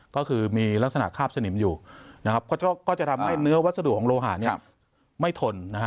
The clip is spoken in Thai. ก็คือมีลักษณะคาบสนิมอยู่นะครับก็จะทำให้เนื้อวัสดุของโลหะไม่ทน